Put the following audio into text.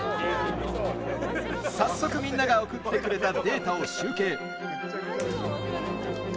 早速みんなが送ってくれたデータを集計。